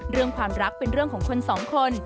เรื่องความรักเป็นเรื่องของคนสองคน